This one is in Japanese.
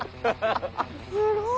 すごい！